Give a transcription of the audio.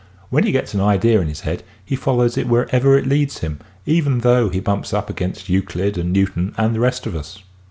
When he gets an idea in his head he follows it wher ever it leads him even though he bumps up against Euclid and Newton and the rest of us.